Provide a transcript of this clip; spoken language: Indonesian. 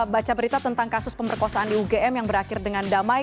baca berita tentang kasus pemerkosaan di ugm yang berakhir dengan damai